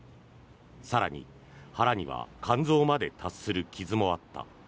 更に、腹には肝臓まで達する傷もあった。